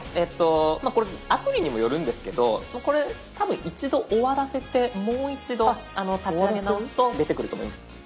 アプリにもよるんですけどこれ多分一度終わらせてもう一度立ち上げ直すと出てくると思います。